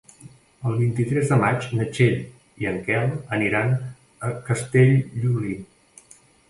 El vint-i-tres de maig na Txell i en Quel aniran a Castellolí.